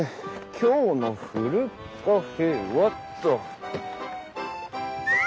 今日のふるカフェはっと。